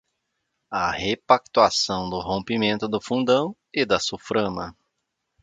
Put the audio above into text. A repactuação do rompimento do Fundão e da Suframa